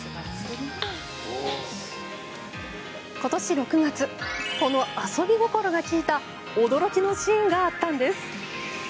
今年６月、この遊び心が利いた驚愕のシーンがありました。